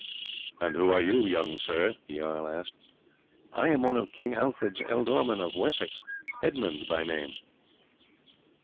"And who are you, young sir?" the jarl asked. "I am one of King Alfred's ealdormen of Wessex, Edmund by name."